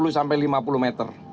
sampai lima puluh m